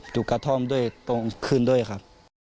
จุกกระท่อมขึ้นด้วยครับ